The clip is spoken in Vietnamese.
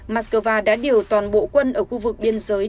mắc cơ va đã điều toàn bộ quân ở khu vực biên giới